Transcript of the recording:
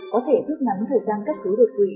có thể giúp nắng thời gian cấp cứu đột quỵ